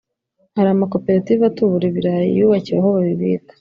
hari amakoperative atubura ibirayi yubakiwe aho babibika